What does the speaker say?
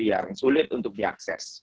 yang sulit untuk diakses